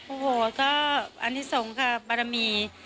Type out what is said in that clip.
โอ้โหก็อันนี้สงฆ์ค่ะบารมี